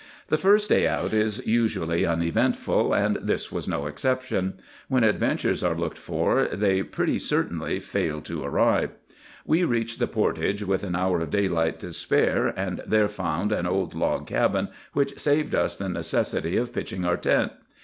The first day out is usually uneventful, and this was no exception. When adventures are looked for they pretty certainly fail to arrive. We reached the portage with an hour of daylight to spare, and there found an old log cabin, which saved us the necessity of pitching our tent.